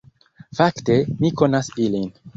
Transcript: Fakte, mi konas ilin